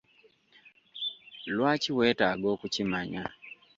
Lwaki weetaaga okukimanya?